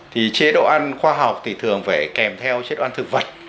thì chế độ ăn khoa học thì thường phải kèm theo chế độ ăn thực vật